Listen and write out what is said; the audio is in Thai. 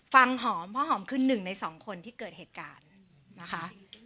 หอมเพราะหอมคือหนึ่งในสองคนที่เกิดเหตุการณ์นะคะ